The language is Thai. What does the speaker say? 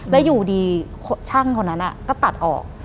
แล้วอยู่ดีช่างคนนั้นก็ตัดออก